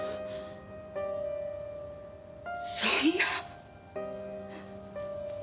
そんな！？